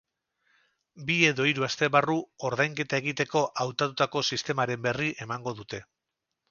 Bi edo hiru aste barru ordainketa egiteko hautatutako sistemaren berri emango dute.